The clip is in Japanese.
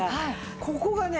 ここがね。